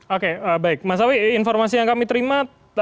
oke baik mas awi informasi yang kami terima